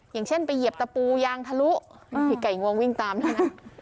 อย่างเช่นไปเหยียบตะปูยางทะลุผีไก่งวงวิ่งตามเท่านั้น